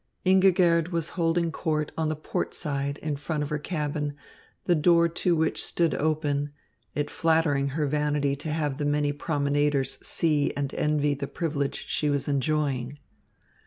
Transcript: Ingigerd was holding court on the port side in front of her cabin, the door to which stood open, it flattering her vanity to have the many promenaders see and envy the privilege she was enjoying.